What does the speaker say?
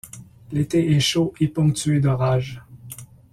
L'été est chaud et ponctué d'orages.